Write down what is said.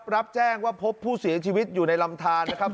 รับแจ้งว่าพบผู้เสียชีวิตอยู่ในลำทานนะครับ